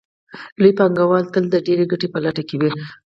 لوی پانګوال تل د ډېرې ګټې په لټه کې وي